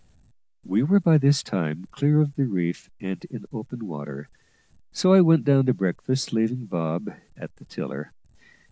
We were by this time clear of the reef and in open water, so I went down to breakfast, leaving Bob at the tiller.